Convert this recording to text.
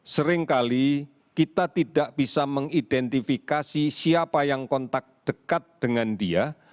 seringkali kita tidak bisa mengidentifikasi siapa yang kontak dekat dengan dia